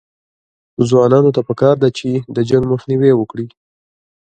ځوانانو ته پکار ده چې، جنګ مخنیوی وکړي